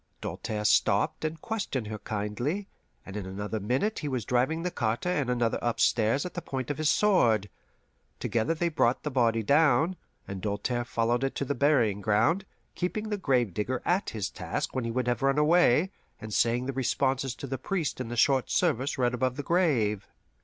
Doltaire stopped and questioned her kindly, and in another minute he was driving the carter and another upstairs at the point of his sword. Together they brought the body down, and Doltaire followed it to the burying ground; keeping the gravedigger at his task when he would have run away, and saying the responses to the priest in the short service read above the grave.